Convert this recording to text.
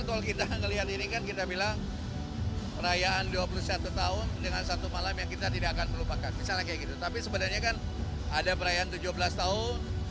misalnya kayak gitu tapi sebenarnya kan ada perayaan tujuh belas tahun